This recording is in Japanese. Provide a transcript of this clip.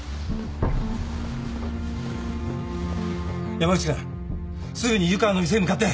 山内君すぐに湯川の店へ向かって！